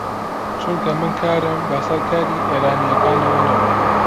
چونکە من کارم بە سەر کاری ئێرانییەکانەوە نەبوو